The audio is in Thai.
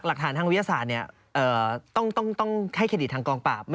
หลักฐานทางวิทยาศาสตร์ต้องให้คดีทางกองปราบ